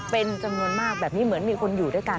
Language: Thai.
เป็นจำนวนมากแบบนี้เหมือนมีคนอยู่ด้วยกัน